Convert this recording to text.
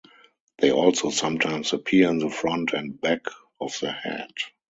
They also sometimes appear in the front and back of the head.